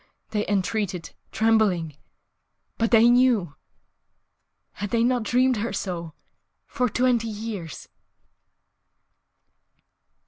they entreated, trembling .... But they knew! Had they not dreamed her so For twenty years?